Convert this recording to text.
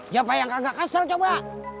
siapa yang kagak kesel coba